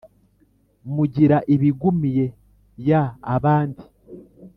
mugira ibigumiye ya abandi